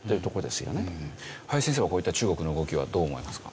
林先生はこういった中国の動きはどう思いますか？